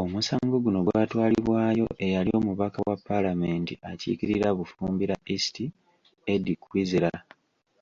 Omusango guno gwatwalibwayo eyali omubaka wa palamenti akiikirira Bufumbira East Eddie Kwizera.